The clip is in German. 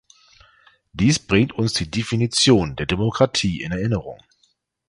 Dies bringt uns die Definition der Demokratie in Erinnerung.